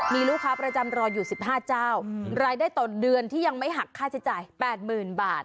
มีลูกค้าประจำรออยู่๑๕เจ้ารายได้ต่อเดือนที่ยังไม่หักค่าใช้จ่าย๘๐๐๐บาท